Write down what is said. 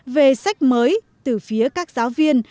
về sách mới từ phía các giáo viên